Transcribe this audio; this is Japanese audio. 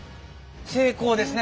成功ですね？